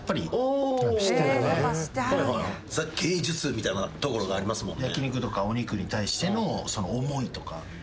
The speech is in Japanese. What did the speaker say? みたいなところがありますもんね。